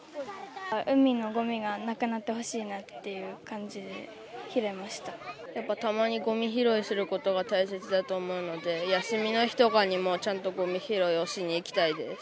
海のごみがなくなってほしいたまにごみ拾いすることが大切だと思うので、休みの日とかにも、ちゃんとごみ拾いをしに行きたいです。